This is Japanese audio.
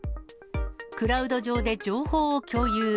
クラウド上で情報を共有。